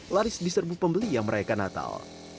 laris di serbu pembeli yang merayakan natal